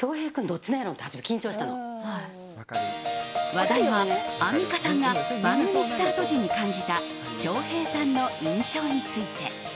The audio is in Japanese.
話題はアンミカさんが番組スタート時に感じた翔平さんの印象について。